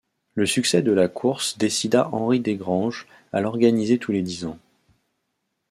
Le succès de la course décida Henri Desgrange à l'organiser tous les dix ans.